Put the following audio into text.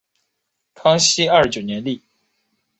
康熙二十九年立。